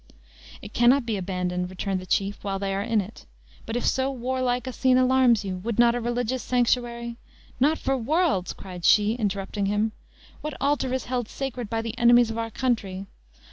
"It cannot be abandoned," returned the chief, "while they are in it. But if so warlike a scene alarms you, would not a religious sanctuary " "Not for worlds!" cried she, interrupting him; "what altar is held sacred by the enemies of our country!